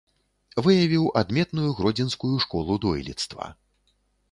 Выявіў адметную гродзенскую школу дойлідства.